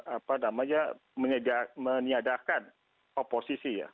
apa namanya meniadakan oposisi ya